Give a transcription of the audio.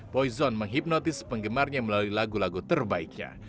poizon menghipnotis penggemarnya melalui lagu lagu terbaiknya